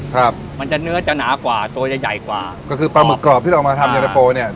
ครับมันจะเนื้อจะหนากว่าตัวจะใหญ่กว่าก็คือปลาหมึกกรอบที่เรามาทำเย็นตะโฟเนี่ย